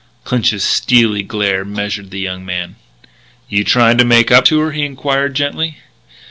Clinch's steely glare measured the young man: "You trying to make up to her?" he enquired gently.